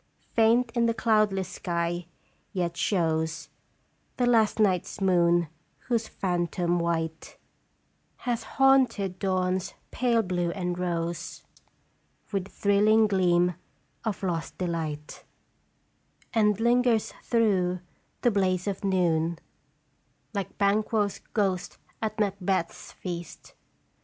Faint in the cloudless sky yet shnws The last night's moon, whose phantom white Has haunted dawn's pale blue and rose With thrilling gleam of lost delight, And lingers through the blaze of noon, Like Banquo's ghost at Macbeth 's feast.